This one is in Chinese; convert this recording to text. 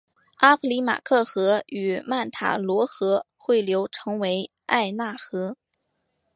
阿普里马克河与曼塔罗河汇流成为埃纳河。